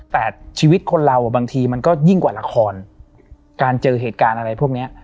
แต่ชีวิตคนเราบางทีมันก็ยิ่งกว่าละครการเจอเหตุการณ์อะไรพวกเนี้ย